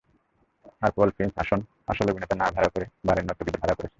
আর Paul Finch আসল অভিনেতা না ভাড়া করে বারের নর্তকীদের ভাড়া করেছে।